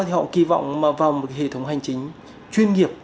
thì họ kỳ vọng vào một hệ thống hành chính chuyên nghiệp